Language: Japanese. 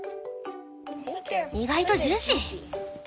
意外とジューシー。